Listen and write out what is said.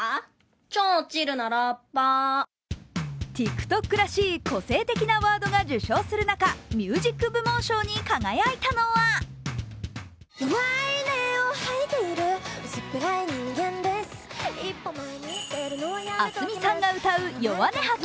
ＴｉｋＴｏｋらしい個性的なワードが受賞する中、ミュージック部門賞に輝いたのはａｓｍｉさんが歌う「ヨワネハキ」。